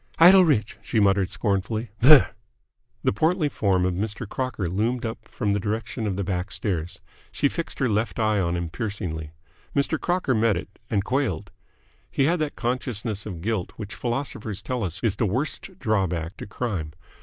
"Idle rich!" she muttered scornfully. "Brrh!" The portly form of Mr. Crocker loomed up from the direction of the back stairs. She fixed her left eye on him piercingly. Mr. Crocker met it, and quailed. He had that consciousness of guilt which philosophers tell is the worst drawback to crime.